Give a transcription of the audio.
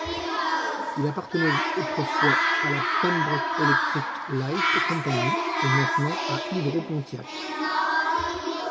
Il appartenait autrefois à la Pembroke Electric Light Company et maintenant à Hydro-Pontiac.